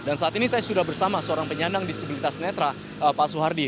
dan saat ini saya sudah bersama seorang penyandang disabilitas netra pak suhardi